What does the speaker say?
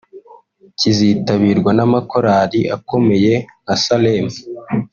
Kizitabirwa n’amakorali akomeye nka Sarem